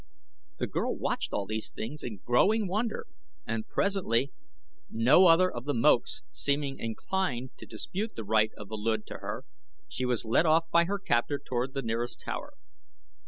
The girl watched all these things in growing wonder, and presently, no other of the Moaks seeming inclined to dispute the right of the Luud to her, she was led off by her captor toward the nearest tower.